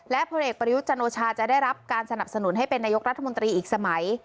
พลเอกประยุทธ์จันโอชาจะได้รับการสนับสนุนให้เป็นนายกรัฐมนตรีอีกสมัย